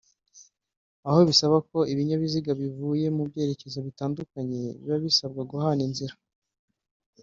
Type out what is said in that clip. aho bisaba ko ibinyabiziga bivuye mu byerekezo bitandukanye biba bisabwa guhana inzira